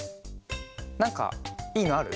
なんかいいのある？